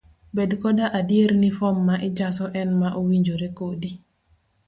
Bed koda adier ni fom ma ijaso en ma owinjore kodi.